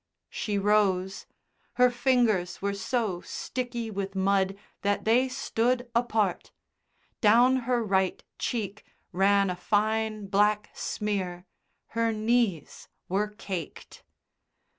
She rose; her fingers were so sticky with mud that they stood apart; down her right cheek ran a fine black smear; her knees were caked.